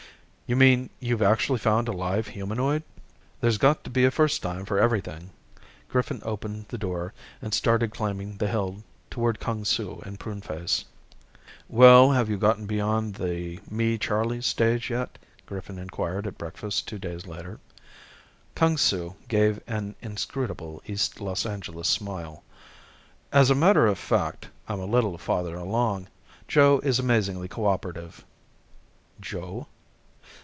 "You mean you've actually found a live humanoid?" "There's got to be a first time for everything." Griffin opened the door and started climbing the hill toward Kung Su and Pruneface. "Well, have you gotten beyond the 'me, Charlie' stage yet?" Griffin inquired at breakfast two days later. Kung Su gave an inscrutable East Los Angeles smile. "As a matter of fact, I'm a little farther along. Joe is amazingly coöperative." "Joe?"